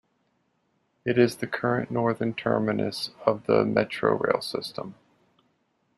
It is the current northern terminus of the Metrorail system.